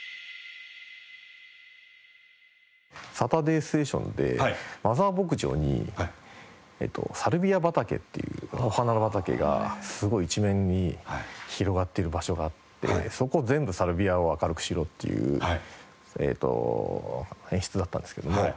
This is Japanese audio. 『サタデーステーション』でマザー牧場にサルビア畑っていうお花畑がすごい一面に広がっている場所があってそこ全部サルビアを明るくしろっていう演出だったんですけども。